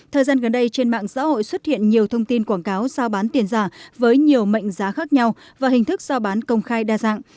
thời gian gần đây trên mạng xã hội xuất hiện nhiều thông tin quảng cáo giao bán tiền giả với nhiều mệnh giá khác nhau và hình thức giao bán công khai đa dạng